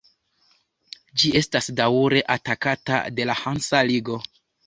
Ĝi estas daŭre atakata de la Hansa Ligo.